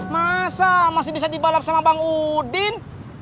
masa masih bisa dibalap sama bang udin